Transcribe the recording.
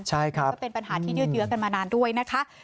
ใช่ครับก็เป็นปัญหาที่ยืดเยอะกันมานานด้วยนะคะ